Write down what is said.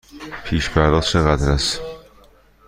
پیش پرداخت چقدر است؟